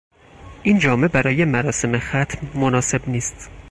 این جامه برای مراسم ختم مناسب نیست.